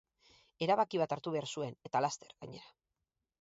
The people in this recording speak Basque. Erabaki bat hartu behar zuen, eta laster, gainera.